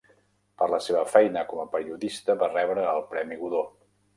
Per la seva feina com a periodista va rebre el Premi Godó.